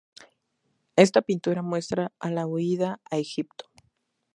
Esta pintura muestra a la Huida a Egipto.